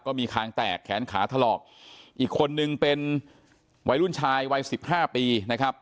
คางแตกแขนขาถลอกอีกคนนึงเป็นวัยรุ่นชายวัยสิบห้าปีนะครับ